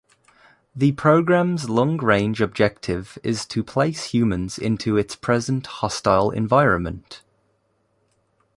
The programs long range objective is to place humans into its present hostile environment.